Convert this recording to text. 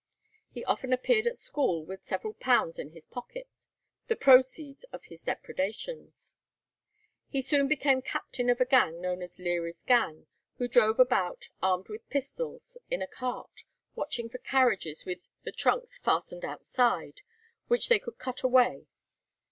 He often appeared at school with several pounds in his pocket, the proceeds of his depredations. He soon became captain of a gang known as Leary's gang, who drove about, armed with pistols, in a cart, watching for carriages with the trunks fastened outside, which they could cut away.